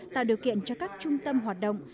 tạo điều kiện cho các trung tâm hoạt động